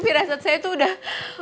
virasat saya tuh udah